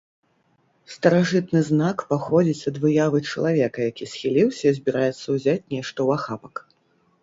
Старажытны знак паходзіць ад выявы чалавека, які схіліўся і збіраецца ўзяць нешта ў ахапак.